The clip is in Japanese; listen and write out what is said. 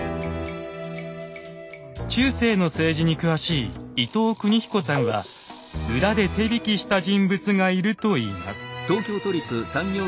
中世の政治に詳しい伊藤邦彦さんは裏で手引きした人物がいると言います。